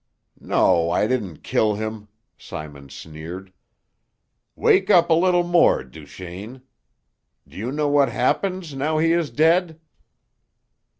"No, I didn't kill him," Simon sneered. "Wake up a little more, Duchaine. Do you know what happens now he is dead?"